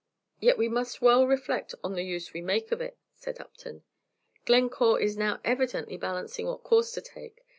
"Yet must we well reflect on the use we make of it," said Upton. "Glencore is now evidently balancing what course to take.